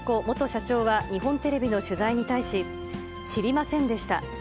元社長は日本テレビの取材に対し、知りませんでした。